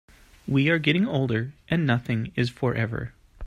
We are all getting older, and nothing is forever.